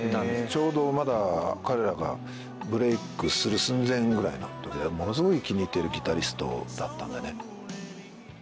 ちょうどまだ彼らがブレイクする寸前ぐらいの時でものすごい気に入ってるギタリストだったんでね。